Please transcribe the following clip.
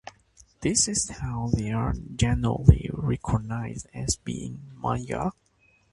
This is how they are generally recognised as being Manyika.